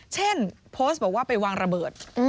เช่นโพสต์บอกว่าไปวางระเบิด